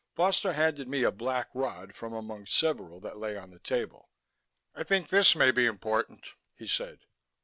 Foster handed me a black rod from among several that lay on the table. "I think this may be important," he said.